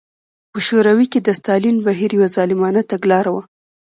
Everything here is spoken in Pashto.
په شوروي کې د ستالین بهیر یوه ظالمانه تګلاره وه.